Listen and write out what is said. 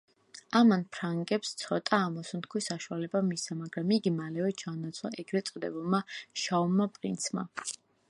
ამან ფრანგებს ცოტა ამოსუნთქვის საშუალება მისცა, მაგრამ იგი მალევე ჩაანაცვლა ეგრედ წოდებულმა შავმა პრინცმა.